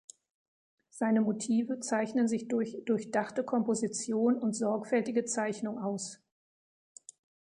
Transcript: Seine Motive zeichnen sich durch durchdachte Komposition und sorgfältige Zeichnung aus.